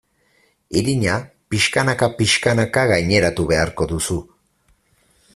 Irina pixkanaka-pixkanaka gaineratu beharko duzu.